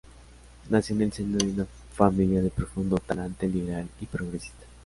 Nació en el seno de una familia de profundo talante liberal y progresista.